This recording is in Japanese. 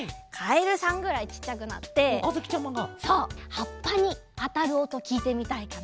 はっぱにあたるおときいてみたいかな。